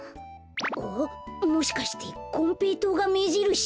あっもしかしてこんぺいとうがめじるし？